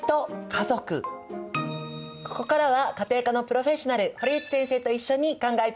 ここからは家庭科のプロフェッショナル堀内先生と一緒に考えていきたいと思います。